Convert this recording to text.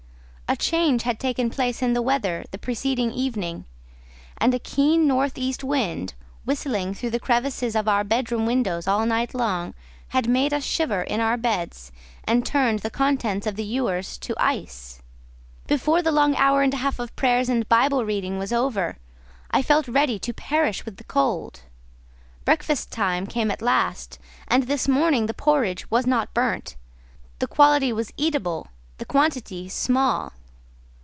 A change had taken place in the weather the preceding evening, and a keen north east wind, whistling through the crevices of our bedroom windows all night long, had made us shiver in our beds, and turned the contents of the ewers to ice. Before the long hour and a half of prayers and Bible reading was over, I felt ready to perish with cold. Breakfast time came at last, and this morning the porridge was not burnt; the quality was eatable, the quantity small.